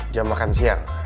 jam makan siang